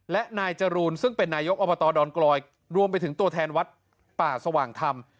และนายจรูนซึ่งเป็นนายกอบตดอนกลอยรวมไปถึงตัวแทนวัดป่าสว่างธรรม